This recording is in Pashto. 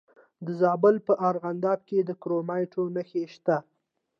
د زابل په ارغنداب کې د کرومایټ نښې شته.